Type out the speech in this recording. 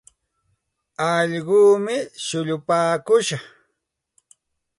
Allquumi shullupaakush.